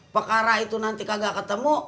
pekara itu nanti kagak ketemu